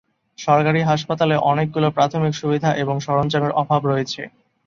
সরকারি হাসপাতালে অনেকগুলো প্রাথমিক সুবিধা এবং সরঞ্জামের অভাব রয়েছে।